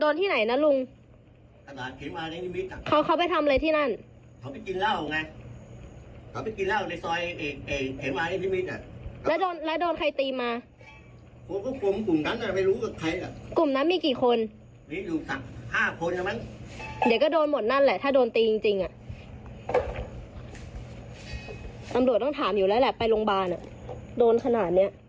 ตำรวจต้องถามอยู่แล้วแหละไปโรงพยาบาลโดนขนาดนี้